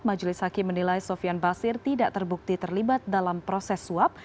majelis hakim menilai sofian basir tidak terbukti terlibat dalam proses suap